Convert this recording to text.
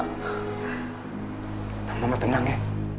sama mama tenang ya